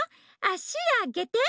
あしあげて！